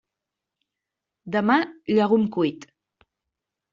Demà, llegum cuit.